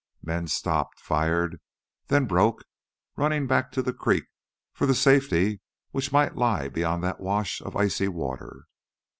Men stopped, fired, then broke, running back to the creek for the safety which might lie beyond that wash of icy water.